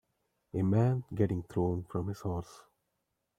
A man getting thrown from his horse.